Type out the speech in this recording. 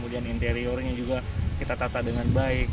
kemudian interiornya juga kita tata dengan baik